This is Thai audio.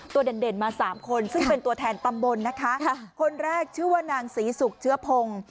เด่นเด่นมาสามคนซึ่งเป็นตัวแทนตำบลนะคะคนแรกชื่อว่านางศรีศุกร์เชื้อพงศ์